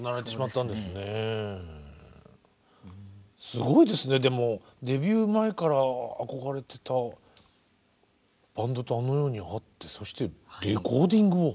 すごいですねでもデビュー前から憧れてたバンドとあのように会ってそしてレコーディングを。